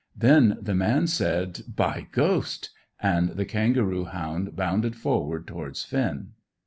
Then the man said, "By ghost!" and the kangaroo hound bounded forward towards Finn.